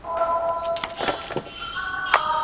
ایا کبابي به نن ډېر کبابونه وپلوري؟